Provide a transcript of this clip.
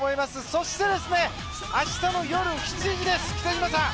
そして、明日の夜７時です北島さん。